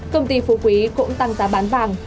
công ty phú quý cũng tăng giá bán vàng